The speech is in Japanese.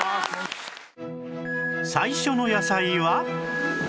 最初の野菜は